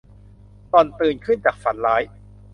หล่อนตื่นขึ้นจากฝันร้าย